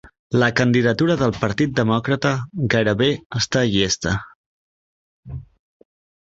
La candidatura del Partit Demòcrata gairebé està llesta